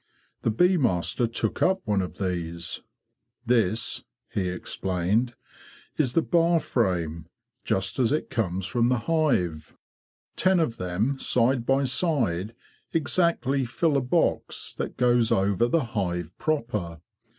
The bee master took up one of these. '' This,' he explained, 'is the bar frame just as it comes from the hive. Ten of them side by side exactly fill a box that goes over the hive proper.